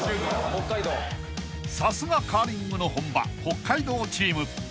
［さすがカーリングの本場北海道チーム］